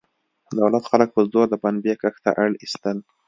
دولت خلک په زور د پنبې کښت ته اړ ایستل.